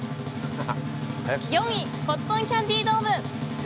４位コットンキャンディードーム。